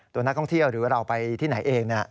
ตัวนักท่องเที่ยวหรือว่าเราไปที่ไหนเอง